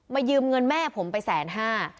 ยืมเงินแม่ผมไปแสนห้า